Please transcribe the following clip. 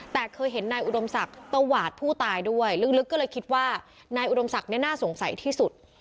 แต่เคยเห็นนายอุดมศักดิ์ตวาดผู้ตายด้วยลึกก็เลยคิดว่านายอุดมศักดิ์น่าสงสัยที่สุด